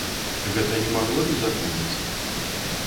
Гэта не магло не запомніцца.